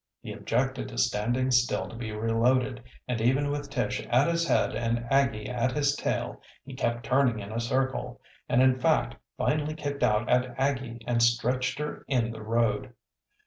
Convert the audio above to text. He objected to standing still to be reloaded, and even with Tish at his head and Aggie at his tail he kept turning in a circle, and in fact finally kicked out at Aggie and stretched her in the road.